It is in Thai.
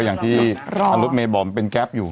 ก็อย่างที่อารุดเมฑบอกเป็นแก๊ปอยู่